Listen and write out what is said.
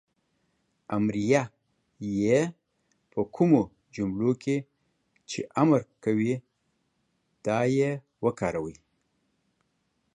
امریه "ئ" په کومو جملو کې چې امر کوی دا "ئ" وکاروئ